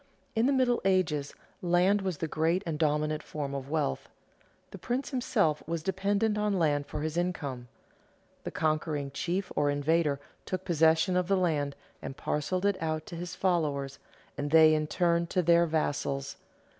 In the Middle Ages land was the great and dominant form of wealth. The prince himself was dependent on land for his income. The conquering chief or invader took possession of the land and parceled it out to his followers, and they in turn to their vassals.